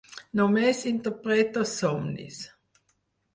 Només interpreto somnis.